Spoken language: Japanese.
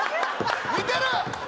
・似てる！